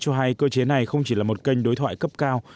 cho hay cơ chế này không chỉ là một kênh đối thoại cấp cao